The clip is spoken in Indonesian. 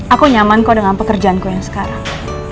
aku nyaman kok dengan pekerjaanku yang sekarang